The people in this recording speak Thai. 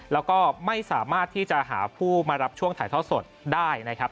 แล้วก็ไม่สามารถที่จะหาผู้มารับช่วงถ่ายท่อสดได้นะครับ